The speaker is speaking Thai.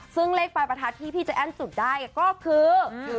ซึ่งเลขปลายประทัดที่พี่ใจแอ้นจุดได้ก็คือ